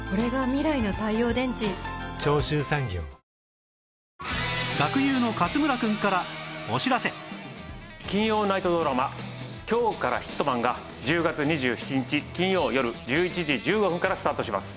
「のりしお」もね学友の金曜ナイトドラマ『今日からヒットマン』が１０月２７日金曜よる１１時１５分からスタートします。